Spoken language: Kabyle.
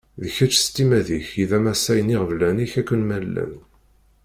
D kečč s timmad-ik i d amasay n yiɣeblan-ik akken ma llan.